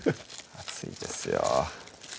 熱いですよ